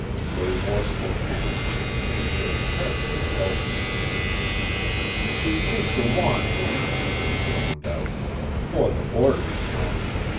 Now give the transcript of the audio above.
The remorseful past and the pain filled present engulfed him. "She use' t' want me," he groaned out, "'fore the boarders come!